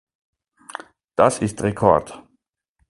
Das ist Record.